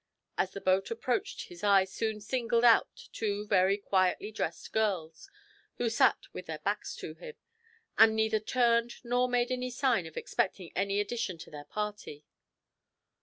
As the boat approached his eye soon singled out two very quietly dressed girls, who sat with their backs to him, and neither turned nor made any sign of expecting any addition to their party.